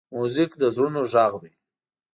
موزیک د زړونو غږ دی.